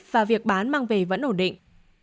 và việc bán mang về vẫn ổn định